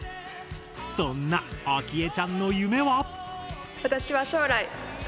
そんなあきえちゃんの夢は？